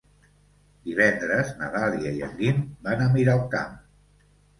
Divendres na Dàlia i en Guim van a Miralcamp.